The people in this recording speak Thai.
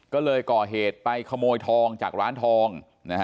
ก็เลยก่อเหตุไปขโมยทองจากร้านทอง